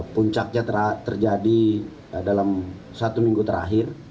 puncaknya terjadi dalam satu minggu terakhir